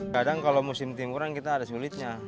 kadang kalau musim timuran kita ada sulitnya